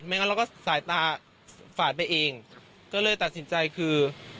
งั้นเราก็สายตาฝาดไปเองก็เลยตัดสินใจคือ